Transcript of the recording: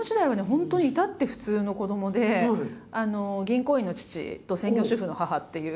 本当に至って普通の子どもで銀行員の父と専業主婦の母っていう